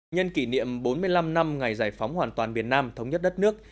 nhân kỷ niệm bốn mươi năm năm ngày giải phóng hoàn toàn miền nam thống nhất đất nước